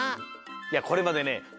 いやこれまでね